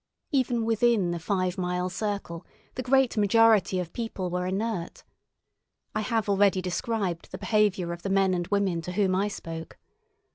Even within the five mile circle the great majority of people were inert. I have already described the behaviour of the men and women to whom I spoke.